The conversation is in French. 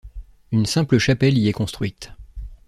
Une simple chapelle y est construite.